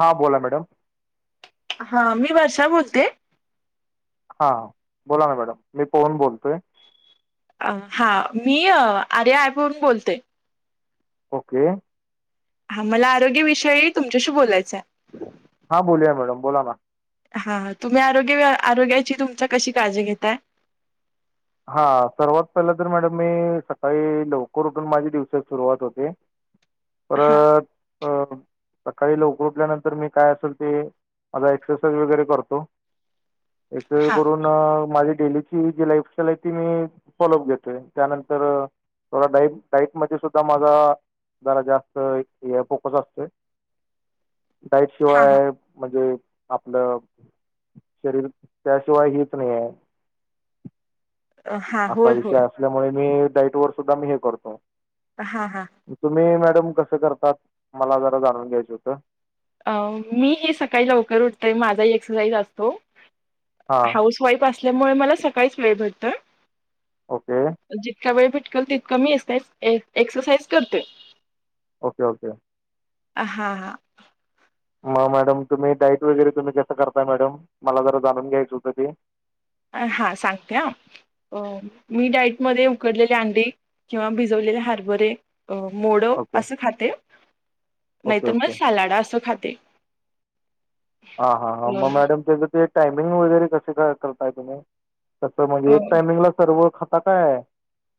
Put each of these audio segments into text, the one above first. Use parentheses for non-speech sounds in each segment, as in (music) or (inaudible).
हां बोला मॅडम. हा मी वर्षा बोलते. हा बोला ना मॅडम मी पहून बोलतोय. हा मी आर्या ॲप वून बोलते. ओके. हा मला आरोग्यविषयी तुमच्याशी बोलायचां आहे. हा बोलूया मॅडम बोला ना. हा तुम्ही आरोग्य आरोग्याची तुमचा कशी काळजी घेताय. हा सर्वात पहिलं तर मॅडम मी सकाळी लवकर उठून माझ्या दिवसात सुरुवात होते. (unintelligible) हा परत आ सकाळी लवकर उठल्यानंतर मी काय असेल ते माझा एक्सरसाइज वगैरे करतो. एक्स हा करून माझी डेलीची जी लाईफ त्याला त मी फॉलोअप घेतोय त्यानंतर थोडा डाई डाईटमध्येध्ये सुद्धा माझा जरा जास्त फोकस असतोय. डाईट हा शिवाय हा आहे. म्हणजे आपलं शरीर त्याशिवाय हच नाही आहे. अ, हा असा होय विषय होय असल्यामुळे मी डाईट वर सुद्धा मी हे करतो. हा हा. तुम्ही मॅडम कसं करतात मला जरा जाणून घ्यायचं होतं. अ मी सकाळी लवकर उठतय माझा एक्सरसाइज असतो. हां. हाऊस स्ईप असल्यामुळे मला सकाळीच वेळ भेटत ओके जितका वेळ भिटकल तितका मी एक्स एक्सरसाईज करते. Okay okay. हा हा मग मॅडम तुम्ही डाईट वगैरे तुम्ही कसं करताय मॅडम? मला जरा जाणून घ्यायचं होतं ते? हा सांगते ह अ मी डाईटमध्येध्ये उकडलेले अंडी किंवा भिजवलेले हरभरे अ मोडं ओके. असं खाते. ओके, नाहीतर मग ओके. सालाडा असं खाते. हा हा ह अ मग मॅडम त्याच ते टायमिंग वगैरे कसे काय करताय तुम्ही? तस अ म्हणजे एक टायमिंगला सर्व खाता काय?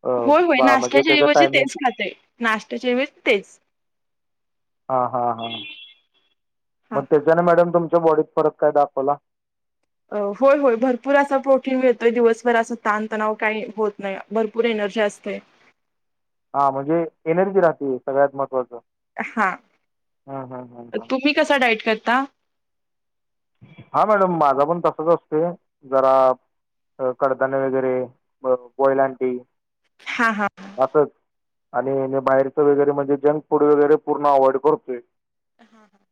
अ, होय होय बा म्हणजे त्याचं नाशत्याच्याऐवजी टायमिंग तेच खाते. नाशत्याच्याऐवजी तेच हा हा हा हा मग हा. त्याच्याने मॅडम तुमच्या बॉडीत फरक काय दाखवला? अ होय होय भरपूर असा प्रोटीन मिळतोय दिवसभर असा ताणतणाव काही होत नाही. भरपूर एनर्जी असते. हा म्हणजे एनर्जी राहते सगळ्यात महत्त्वाचं. हा हं हं हं हं तुम्ही कसा डाईट करता? हा मॅडम माझा पण तसच असतोय जरा अ कडधान्ये वगैरे बोईल अंडी हा हा असच आणि मी बाहेरचं वगैरे म्हणजे जंक फूड वगैरे पूर्ण अवॉइड करतो. हा हा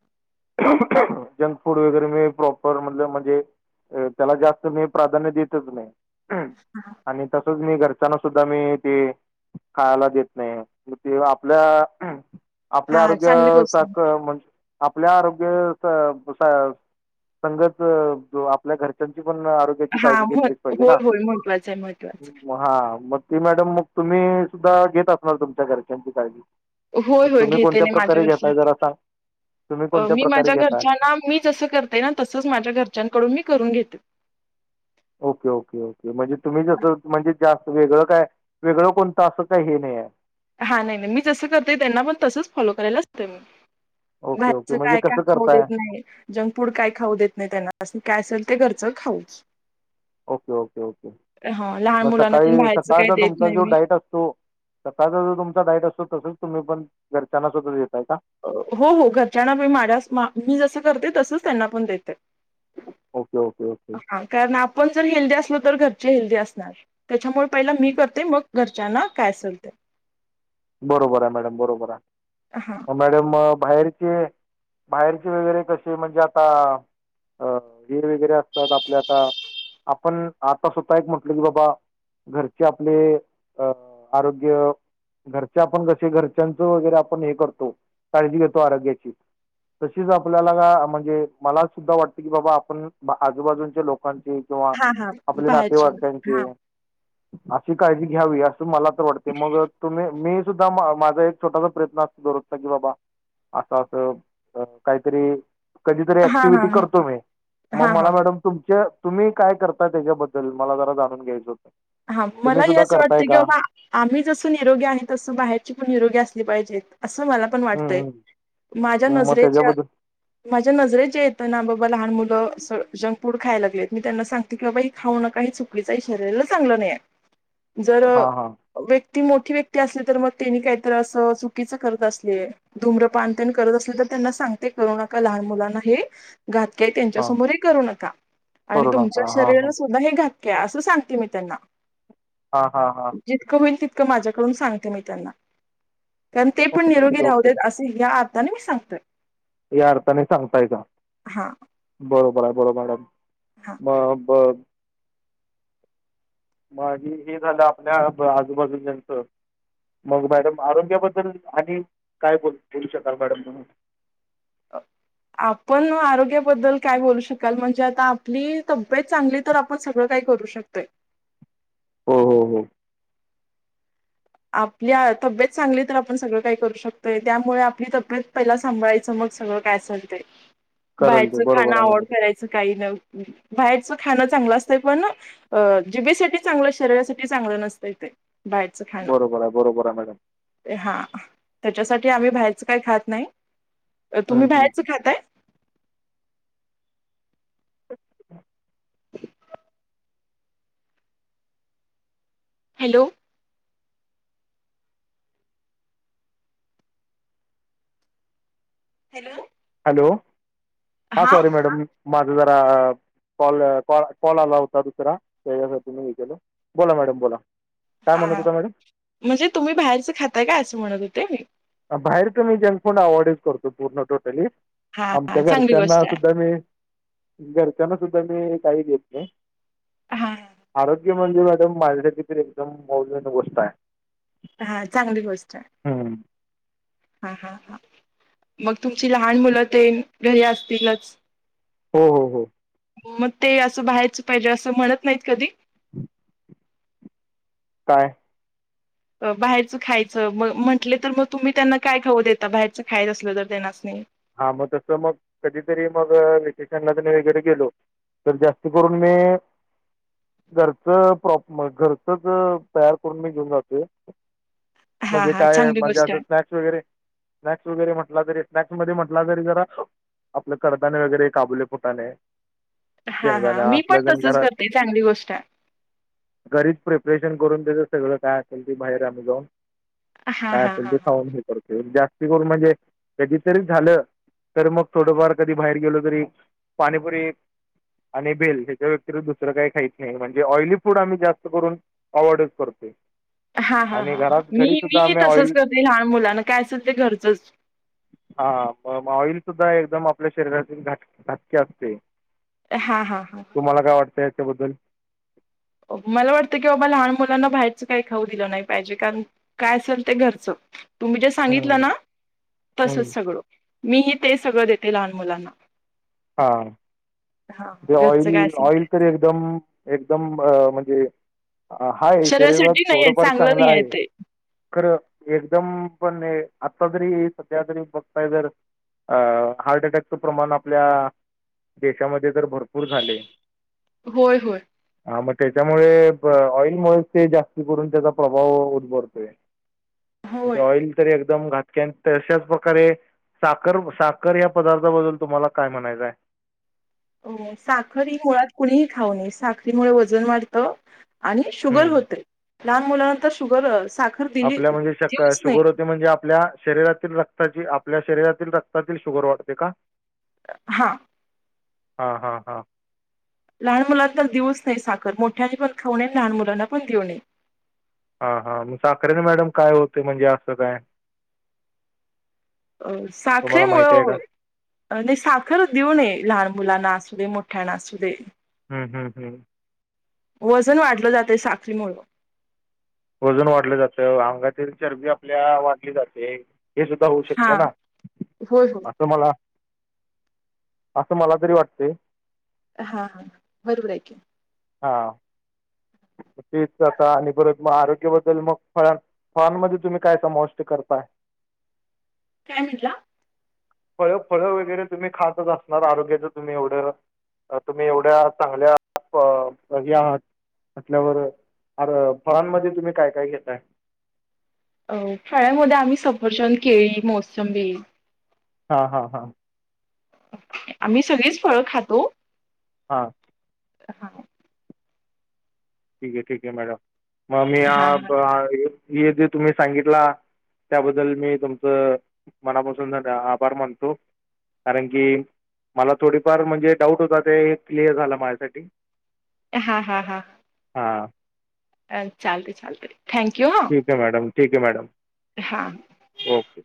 जंक फूड वगैरे प्रपर म्ह म्हणजे त्याला जास्त मी प्राध्य देतच नाही. हा आणि तसंच मी घरच्यांन सुद्धा मी ते खायला देत नाही म ते आपल्या हा आपल्या चांगली गोष्ट आरोग्य म्हणजे आपल्या आरोग्य संगच आपल्या घरच्यांची पण आरोग याची हा काळजी होय घेतलीच पाहिजे ना. होय महत्वाचं आहे महत्वाचं हा मग ती मॅडम मग तुम्ही सुद्धा घेत असणार तुमच्या घरच्यांची काळजी. होय होय तुम्ही घेते कोणत्या नाही माझ्या प्रकारे घेताय जरा सांग तुम्ही घरच्या कोणत्या मी प्रकारे माझ्या घेताय? घरच्या ना मी जस करते ना तसंच माझ्या घरच्याकडून मी करून घेते. ओके ओके ओके म्हणजे तुम्ही जसं म्हणजे जास्त वेगळं काय वेगळं कोणतं असं काही हे नाही आहे. हा नाही नाही मी जसं करतेय त्यांना पण तसंच फॉलो कराय असतं मी. Okay, okay. बाहेरच म्हणजे काय काय कसं खाऊ करताय? देत नाही. जंक फूड काय खाऊ देत नाही त्यांना अस काय असेल ते घरचं खाऊच ओके ओके ओके हा लहान मग मुलांना ते सकाळी बाहेरचं काही सकाळचा देत तुमचा नाही जो मी. डाईट असतो तो स्वतःचा जो तुमचा डाईट असतो तसच तुम्ही पण घरच्यांना स्वत दताय अग. हो हो घरच्यांना बी माड्यास मी जसं करते तसंच त्यांना पण दे ते. ओके ओके ओके कारण आपण जर हेल्दी असलो तर घरची हेल्दी असणार त्याच्यामुळे पहिला मी करते मग. घरच्यांना काय असलते बरोबर आहे मॅडम बरोबर आहे. ह हां मॅडम बाहेरचे बाहेरचे वगैरे कसे म्हणजे आता अ वर वगैरे असतात आपल्या आता आपण आता स्वतः एक म्हटलं की बाबा घरचे आपले अ आरोग्य घरचे आपण कसे घरच्यांचं वगैरे आपण हे करतो काळजी घेतो आरोग्याची. तशीच आपल्याला म्हणजे मला सुद्धा वाटतं की बाबा आपण आजूबाजूच्या लोकांचे किंवा हा हा आपले बाहेरची हा नातेवाडक्यांचे. अशी काळजी घ्यावी असं मला तर वाटते मग तुम्ही मी सु. माझा एक छोटासा प्रयत्न असतो दरोजचा की बाबा. असं असं काहीतरी कधीतरी हा हा ऍक्टिव्हटी हा करतो मी हा मग हा मला मॅडम. तुमच्या तुम्ही काय करता त्याच्याबद्दल मला जरा जाणून घ्यायचं होत. हा मलाही असं वाटतं की बाबा आम्ही जसं निरोगी आहे तसं बाहेरची पण निरोगी असली पाहिजेत असं मला पण हं, वाटतय हं. माझ्या मग नजरेच्या त्याच्याबद्दल माझ्या नजरे जे येतं ना बाबा लहान मुलं जंक फूड खायला गेऊत मी त्यांना सांग कि बाबा खाऊ नका काही चुकलीचं आहे शरीरला चांगलं नाही आहे जर हां, हां, व्यक्ती मोठी व्यक्ती असली तर मग त्यांनी काहीत अस चुकीचं करत असले. धूम्रपानतन करत असले तर त्यांना सांगते करू नका लहान मुलांना हे घातक्या हां. त्यांच्यासमोरही करू नका आणि तुमच्या कोरोनाचा. हां, शरीराला हां. सुद्धा हे घातक्या असं सांगते मी त्यांना हां हां हां जितकं होईल तितकं माझ्याकडून सांगते मी त्यांना ओके, ओके, ओके. (inaudible) या अर्थाने सांगताय का हा बरोबर आहे बरोबर आहे हा ब ब माझी हे झालं आपल्या आजूबाजू नचं मग मॅडम आरोग्याबद्दल आणि काय बोल बोलू शकाल मॅडम म्हणून आपण आरोग्याबद्दल काय बोलू शकाल म्हणजे आता आपली तब्येत चांगली तर आपण सगळं काय करू शकतोय हो हो हो आपल्या तब्येत चांगली तर आपण सगळं काही करू शकतोय त्यामुळे आपली तब्येत पहिला सांभाळायचं मग सगळं (inaudible) काही करेल ते. बरोबर आहे मॅडम. ना बाहेरच खाणं चांगलं असतंय पण अ जिभेसाठी चांगलं शरीरासाठी चांगलं नसतंय ते बाहेरच. बरोबर आहे बरोबर आहे मॅडम हा त्याच्यासाठी आम्ही बाहेरच काही खात नाही हम्म, तुम्ही हम्म, बाहेरच हम्म. खाताय हॅलो हॅलो हॅलो हा सॉरी मॅडम माझं जरा कॉल कॉल आला होता दुसरा त्याच्यासाठी मी हे केल बोला मॅडम बोला काय हा म्हणत होता मॅडम म्हणजे तुम्ही बाहेरचं खाताय का असं म्हणत होते मी बाहेर तर मी जंक फूड अवॉइडच करतो पूर्ण टोटली हा आमच्या हा चांगली घरच्यांना गोष्ट आहे सुद्धा मी घरच्यांना सुद्धा मी काही घेत नाही हा आरोग्य रोग म्हणजे मॅडम माझ्यासाठी तर एकदम मौल्यवान गोष्ट आहे हा चांगली गोष्ट आहे हम्म हा हा हा मग तुमची लहान मुलं ते घरी असतीलच हो हो हो मग ते असं बाहायचं पाहिजे असं म्हणत नाहीत कधी (inaudible) काय बाहेरचं खायचं मग म्हटले तर मग तुम्ही त्यांना काय खाऊ देता बाहेरचं खायच असलं तर त्यांनास्नी हा मग तस मग कधीतरी मग वेकेशनला वगैरे गेलो तर जास्त करून मी घरच प्रॉप घरचच तयार करून मी घेऊन जातो हा म्हणजे हा काय चांगली म्हणजे गोष्ट असं आहे. स्नॅक्स वगैरे स्नॅक्स वगैरे म्हटला तरी स्नॅक्स म्हणजे म्हटला तरी जरा आपल कडधान्ये वगैरे काबुले फुटाणे हा शेंगदाणे हा मी असलं पण जण तसच घरात करते चांगली गोष्ट आहे घरीच प्रिपरेशन करून देत सगळं काय असेल ती बाहेर आम्ही जाऊन हा काय हा असेल ते हा खाऊन हे करतोय जास्ती करून म्हणजे कधीच तरी झालं तर मग थोडंफार कधी बाहेर गेलो तरी पाणीपुरी आणि भेल ह्याच्या व्यतिरिक्त दुसर काही खाईत नाही म्हणजे ऑइली फूड आम्ही जास्त करून अवॉइडच करतोय हा हा हा मी मी तसच ऑइल करते लहान मुलांना काय असेल ते घरचंच हा मग ऑइल सुद्धा एकदम आपल्या शरीरातील घात घातकी असतय हा हा हा तुम्हाला काय वाटतंय याच्याबद्दल मला वाटतं की बाबा लहान मुलांना बाहेरचं काही खाऊ दिलं नाही पाहिजे कारण काय असेल ते घरचं तुम्ही जे सांगितलं ना तसच सगळं मीही ते सगळं देते लहान मुलांना हां हां, ते घरचं काय ऑइल असेल ते. ऑइल तर एकदम एकदम अ म्हणजे हाय शरीरासाठी शरीरात नाहीये थोडंफार चांगलं नाहीये आहे ते. खरं एकदम पण हे आता जरी सध्या तरी बघताय जर अ हार्ट अटॅकचं प्रमाण आपल्या देशामध्ये तर भरपूर झाले होय होय हा मग त्याच्यामुळे ऑइलमुळेच ते जास्त करून त्याचा प्रभाव उद्भवतोय म्हणजे होय. ऑइल तरी एकदम घात तशाच प्रकारे साखर साखर या पदार्थाबद्दल तुम्हाला काय म्हणायचंय साखर ही मुळात कुणीही खाऊ नये साखरे मुळे वजन वाढत आणि शुगर हम्म. होते लहान मुलांना तर शुगर साख आपल्या म्हणजे शक शुगर होते म्हणजे आपल्या शरीरात रक्ताची आपल्या शरीरातील रक्तात शुगर वाढते का हां हा हा हा लहान मुलांना देऊच नाही साखर मोठ्याने पण खाऊ नय लहान मुलांना पण देऊ नये हा हा मग साखरेने मॅडम काय होते म्हणजे असं काय अ तुम्हाला माहिती आहे साखरेमुळं का नाही साखरच देऊ नये लहान मुलांना असू दे मोठ्यांना असू दे हम्म हम् हम् वजन वाढलं जाते साखरीमुळं. वजून वाढलं जातं अंगातील चरबी आपल्या वाढली जाते. हे सुद्धा होऊ हा शकते ना होय होय असं मला. असं मला तरी वाटते. हा हा बरोबर आहे की. हां. तेच तर आता आणि परत मग आरोग्याबद्दल मग फळा फॉर्म मध्ये तुम्ही काय समाविष्ट करताय काय म्हटला फळ फळं वगैरे तुम्ही खात असणार आरोग्याचं तुम्ही एवढं तुम्ही एवढ्या चांगल्या आहात असल्यावर अर फळांमध्ये तुम्ही काय काय घेताय हो फळामध्ये आम्ही सफरचंद, केळी, मोसमबी... हा हा हां. आम्ही सगळीच फळं खातो. हां. हा ठीक आहे ठीक आहे मॅडम मग हा मी जे तुम्ही सांगितला... त्याबद्दल मी तुमचं मनापासून आभार मानतो. कारण की मला थोडीफार म्हणजे डाऊट होता ते क्लिअर झालं माझ्यासाठी. हा हा हा. हा. अ चालत थँक्यू हं. ठीक मॅडम ठीक आहे मॅडम. हां. ओके.